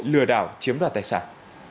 lừa đảo chiếm đoạt tài sản